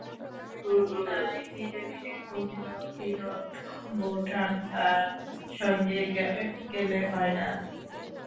তাই ধীরে ধীরে কহিল, বিনোদ-বোঠান তাঁর সঙ্গে গেলে হয় না?